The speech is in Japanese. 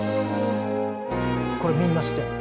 これみんな知ってる？